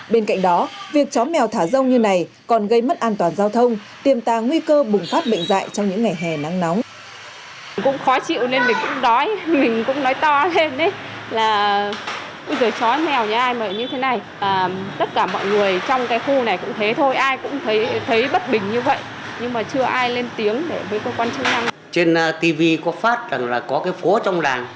bên cạnh đó việc chó mèo thả rông như này còn gây mất an toàn giao thông tiềm tàng nguy cơ bùng phát bệnh dạy trong những ngày hè nắng nóng